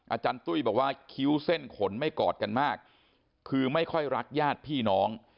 อาจารย์ตุ้ยบอกว่าคิ้วเส้นขนไม่กอดกันมากคือไม่ค่อยรักญาติพี่น้อง